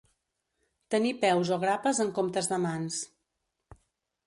Tenir peus o grapes en comptes de mans.